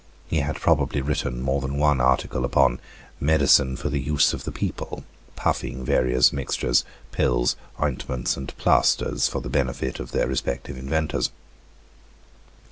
He had probably written more than one article upon "Medicine for the use of the people"; puffing various mixtures, pills, ointments, and plasters for the benefit of their respective inventors.